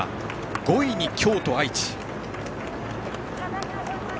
５位に京都、愛知。